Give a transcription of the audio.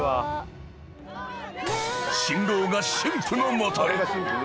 ［新郎が新婦の元へ］